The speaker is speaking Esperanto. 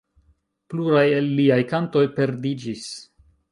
Pluraj el liaj kantoj perdiĝis.